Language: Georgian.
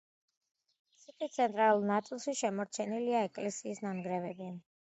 ციხის ცენტრალურ ნაწილში შემორჩენილია ეკლესიის ნანგრევები.